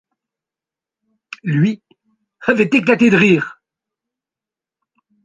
Lui, avait éclaté de rire.